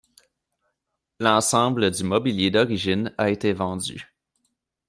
L'ensemble du mobilier d'origine a été vendu.